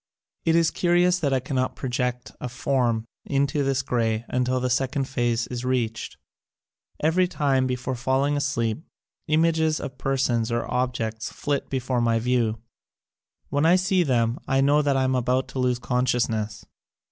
It is curious that I cannot project a form into this grey until the sec ond phase is reached. Every time, before falling asleep, images of persons or objects flit before my view. When I see them I know that I am about to lose conscious ness.